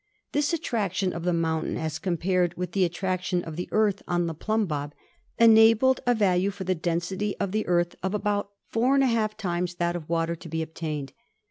This attraction of the mountain as compared with the attraction of the Earth on the plumb bob enabled a value for the density of the Earth of about 4y 2 times that of water to be obtained.